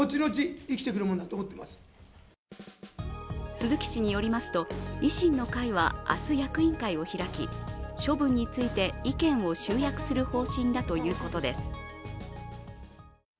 鈴木氏によりますと、維新の会は明日、役員会を開き処分について意見を集約する方針だということです。